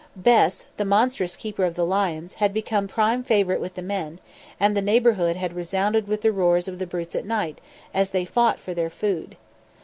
Bes, the monstrous keeper of the lions, had become prime favourite with the men, and the neighbourhood had resounded with the roars of the brutes at night as they fought for their food.